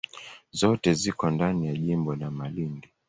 Zote ziko ndani ya jimbo la Malindi.